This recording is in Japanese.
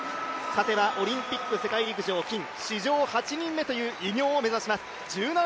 勝てばオリンピック、世界陸上金、史上８人目という偉業を目指します